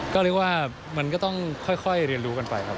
ก็เรียกว่ามันก็ต้องค่อยเรียนรู้กันไปครับ